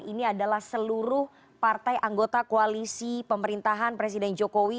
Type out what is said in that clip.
ini adalah seluruh partai anggota koalisi pemerintahan presiden jokowi